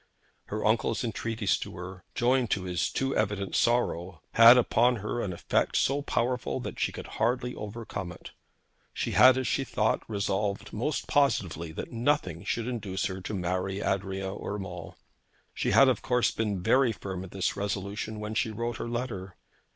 Her uncle's entreaties to her, joined to his too evident sorrow, had upon her an effect so powerful, that she could hardly overcome it. She had, as she thought, resolved most positively that nothing should induce her to marry Adrian Urmand. She had of course been very firm in this resolution when she wrote her letter.